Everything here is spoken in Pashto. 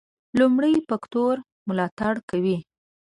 لومړي فکټور ملاتړ کوي.